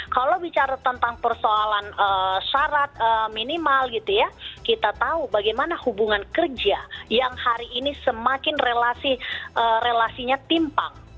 kalau bicara tentang persoalan syarat minimal gitu ya kita tahu bagaimana hubungan kerja yang hari ini semakin relasinya timpang